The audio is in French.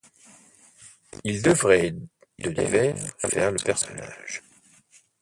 Il devrait de l'hiver faire le personnage